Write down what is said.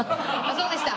そうでした。